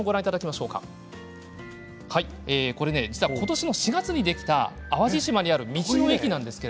こちらは今年の４月にできた淡路島にある道の駅です。